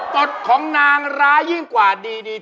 ต่ดของนางลายิ่งกว่าดีที